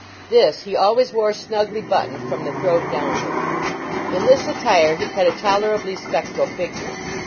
This he always wore snugly buttoned from the throat downward. In this attire he cut a tolerably spectral figure.